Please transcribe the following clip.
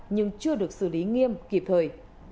nhưng chưa được xử lý nghiêm kịp thời